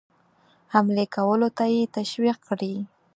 حملې کولو ته یې تشویق کړي.